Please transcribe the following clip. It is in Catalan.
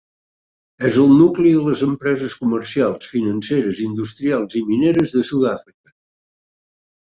És el nucli de les empreses comercials, financeres, industrials i mineres de Sud-àfrica.